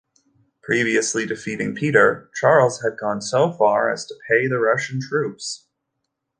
Previously defeating Peter, Charles had gone so far as to pay the Russian troops.